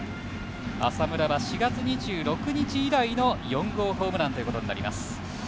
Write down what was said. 浅村は４月２６日以来の４号ホームランということになります。